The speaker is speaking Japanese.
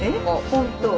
本当。